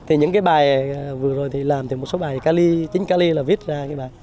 thì những cái bài vừa rồi thì làm thì một số bài chính cali là viết ra cái bài